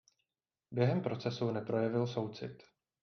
Během procesu neprojevil soucit.